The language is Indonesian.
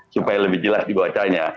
supaya lebih jelas dibacanya